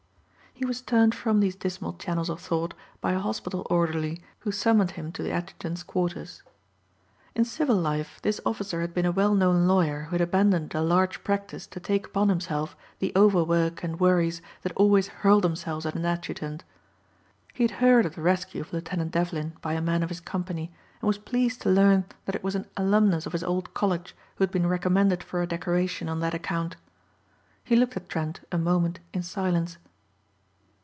He was turned from these dismal channels of thought by a hospital orderly who summoned him to the adjutant's quarters. In civil life this officer had been a well known lawyer who had abandoned a large practice to take upon himself the over work and worries that always hurl themselves at an adjutant. He had heard of the rescue of Lieutenant Devlin by a man of his company and was pleased to learn that it was an alumnus of his old college who had been recommended for a decoration on that account. He looked at Trent a moment in silence.